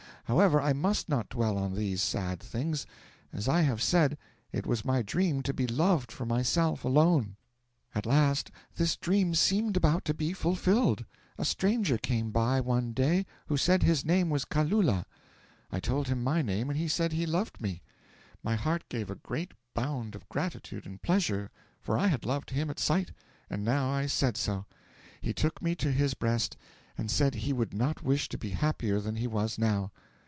However, I must not dwell on these sad things. As I have said, it was my dream to be loved for myself alone. 'At last, this dream seemed about to be fulfilled. A stranger came by, one day, who said his name was Kalula. I told him my name, and he said he loved me. My heart gave a great bound of gratitude and pleasure, for I had loved him at sight, and now I said so. He took me to his breast and said he would not wish to be happier than he was now.